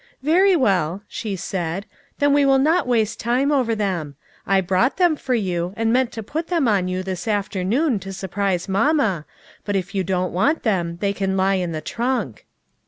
" Very well," she said, " then we will not waste time over them. I brought them for you, and meant to put them on you this afternoon to sur prise mamma, but if you don't want them, they can lie in the trunk."